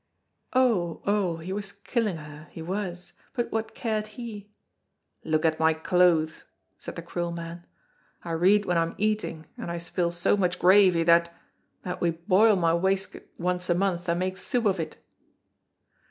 Oh! oh! he was killing her, he was, but what cared he? "Look at my clothes," said the cruel man, "I read when I'm eating, and I spill so much gravy that that we boil my waistcoat once a month, and make soup of it!"